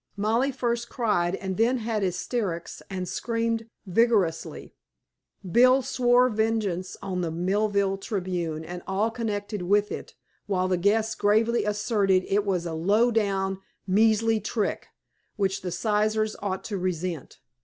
Molly first cried and then had hysterics and screamed vigorously; Bill swore vengeance on the Millville Tribune and all connected with it, while the guests gravely asserted it was "a low down, measly trick" which the Sizers ought to resent.